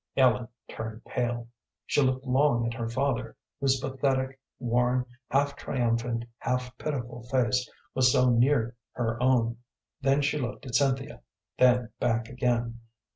Ellen turned pale. She looked long at her father, whose pathetic, worn, half triumphant, half pitiful face was so near her own; then she looked at Cynthia, then back again.